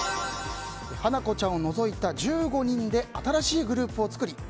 花子ちゃんを除いた１５人で新しいグループを作り